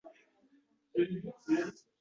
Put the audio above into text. Ortiq qarab turolmadim.